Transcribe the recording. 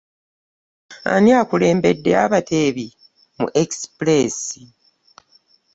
Ani akulembedde abateebi mu express?